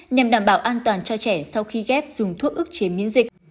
nhằm đảm bảo an toàn cho trẻ sau khi ghép dùng thuốc ức chế biến dịch